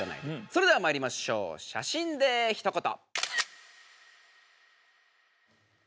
それではまいりましょう「写真でひと言」。